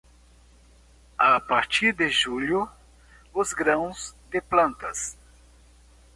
A partir de julho, os grãos de plantas.